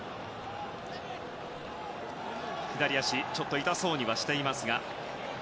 左足をちょっと痛そうにしています。